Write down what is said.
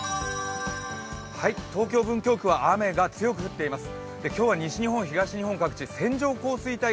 東京・文京区は雨が強く降っています。